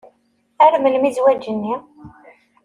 Ar melmi zzwaǧ-nni?